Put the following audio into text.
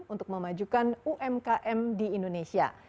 untuk memajukan umkm di indonesia